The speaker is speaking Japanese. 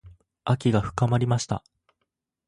秋が深まりました。